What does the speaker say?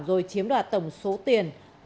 rồi chiếm đặt tổng số tiền